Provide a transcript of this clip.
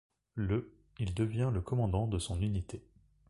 Le il devient le commandant de son unité.